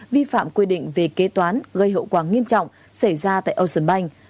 vi phạm quy định về kế toán gây hậu quả nghiêm trọng xảy ra tại ocean bank